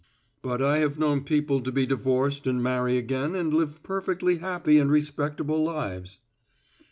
"But I have known people to be divorced and marry again and live perfectly happy and respectable lives."